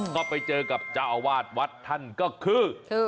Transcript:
ก็ไปเจอกับเจ้าอาวาสวัดท่านก็คือ